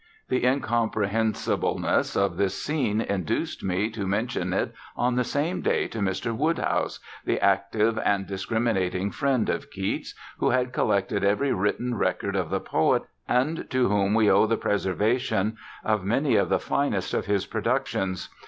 The incomprehensibleness of this scene induced me to mention it on the same day to Mr. Woodhouse, the active and discriminating friend of Keats, who had collected every written record of the poet, and to whom we owe the preservation of many of the finest of his productions.